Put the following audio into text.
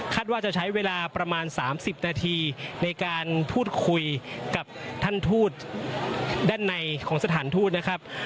ว่าจะใช้เวลาประมาณ๓๐นาทีในการพูดคุยกับท่านทูตด้านในของสถานทูตนะครับ